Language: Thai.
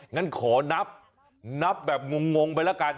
งั้นขอนับนับแบบงงไปแล้วกัน